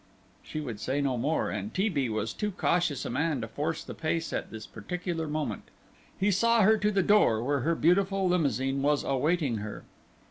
She would say no more, and T. B. was too cautious a man to force the pace at this particular moment. He saw her to the door, where her beautiful limousine was awaiting her.